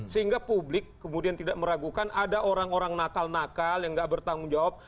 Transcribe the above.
sehingga publik kemudian tidak meragukan ada orang orang nakal nakal yang nggak bertanggung jawab